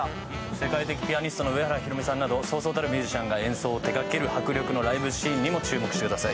世界的ピアニストの上原ひろみさんなどそうそうたるミュージシャンが演奏を手がける迫力のライブシーンにも注目してください。